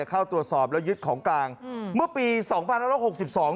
เข้าตรวจสอบแล้วยึดของกลางอืมเมื่อปีสองพันห้าร้อยหกสิบสอง